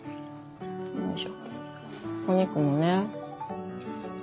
お肉もね。